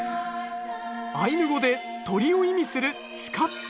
アイヌ語で鳥を意味するチカップ。